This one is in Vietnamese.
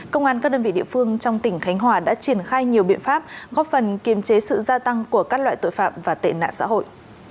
công an các đơn vị địa phương trong tỉnh khánh hòa đã triển khai nhiều biện pháp góp phần kiềm chế sự gia tăng của các loại tội phạm và tệ nạn xã hội